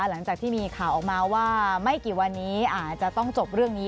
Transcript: หลังจากที่มีข่าวออกมาว่าไม่กี่วันนี้อาจจะต้องจบเรื่องนี้